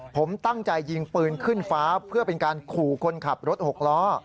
ผมตั้งใจยิงปืนขึ้นฟ้าเพื่อเป็นการขู่คนขับรถหกล้อ